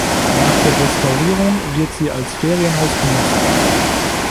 Nach der Restaurierung wird sie als Ferienhaus genutzt.